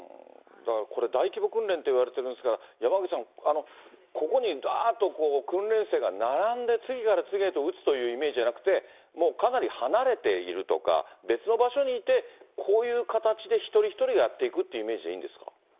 だからこれ、大規模訓練といわれてるんですが、山口さん、ここにだーっと訓練生が並んで、次から次へと撃つというイメージじゃなくて、もうかなり離れているとか、別の場所にいて、こういう形で一人一人がやっていくというイメージでいいんですか。